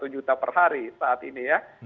satu juta per hari saat ini ya